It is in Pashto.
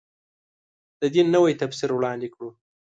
د دین نوی تفسیر وړاندې کړو.